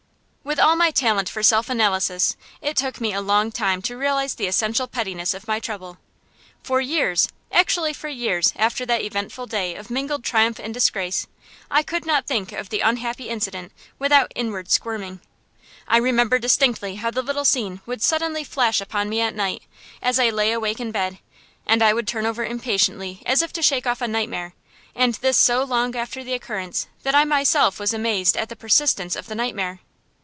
With all my talent for self analysis, it took me a long time to realize the essential pettiness of my trouble. For years actually for years after that eventful day of mingled triumph and disgrace, I could not think of the unhappy incident without inward squirming. I remember distinctly how the little scene would suddenly flash upon me at night, as I lay awake in bed, and I would turn over impatiently, as if to shake off a nightmare; and this so long after the occurrence that I was myself amazed at the persistence of the nightmare.